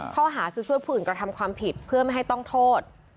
ข้อหาคือช่วยผู้อื่นกระทำความผิดเพื่อไม่ให้ต้องโทษ